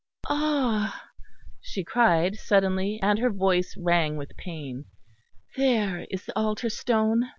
"Ah!" she cried suddenly, and her voice rang with pain, "there is the altar stone."